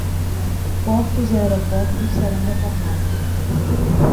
Portos e aeroportos serão reformados